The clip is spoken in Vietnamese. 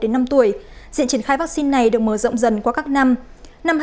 diện triển khai vaccine này được mở rộng dần qua các năm